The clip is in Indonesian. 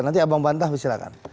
nanti abang bantah silahkan